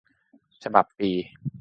ฉบับปี